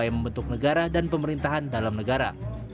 yang membentuk negara dan pemerintahan dalam negara